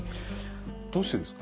どうしてですか？